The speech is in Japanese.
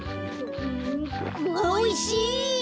おいしい！